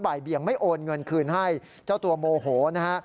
บ่ายเบียงไม่โอนเงินคืนให้เจ้าตัวโมโหนะฮะ